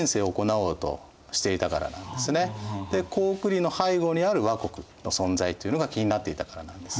高句麗の背後にある倭国の存在っていうのが気になっていたからなんです。